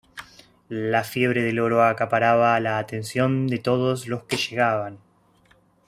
La fiebre del oro acaparaba la atención de todos los que llegaban.